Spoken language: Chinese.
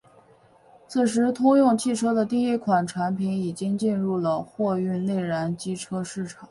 此时通用汽车的第一款产品已经进入了货运内燃机车市场。